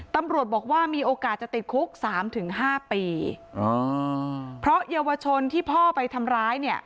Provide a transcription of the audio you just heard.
ตำรวจบอกว่ามีโอกาสจะติดคุก๓๕ปีเพราะเยาวชนที่พ่อไปทำร้าย